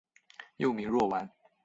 幼名若丸。